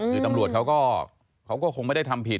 คือตำรวจเขาก็คงไม่ได้ทำผิด